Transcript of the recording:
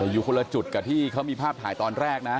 อยู่คนละจุดกับที่เขามีภาพถ่ายตอนแรกนะ